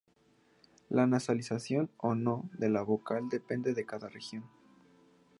La nasalización o no de la vocal depende de cada región.